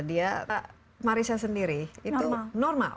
dia malaysia sendiri itu normal